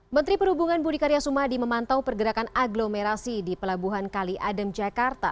menteri perhubungan budi karya sumadi memantau pergerakan agglomerasi di pelabuhan kali adem jakarta